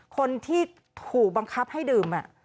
คนที่ถูกบังคับให้ดื่ม